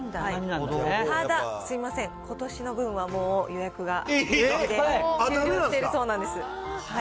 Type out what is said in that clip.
ただ、すみません、ことしの分はもう、予約が終了してるそうなんです。